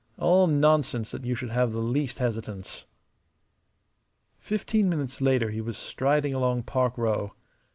All nonsense that you should have the least hesitance." Fifteen minutes later he was striding along Park Row.